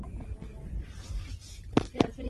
زده کړه به روانه پاتې سوې وي.